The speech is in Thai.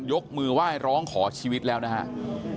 ยกมือไหว้ร้องขอชีวิตแล้วนะครับ